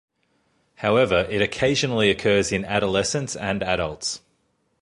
However, it occasionally occurs in adolescents and adults.